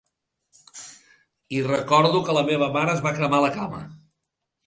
I recordo que la meva mare es va cremar la cama!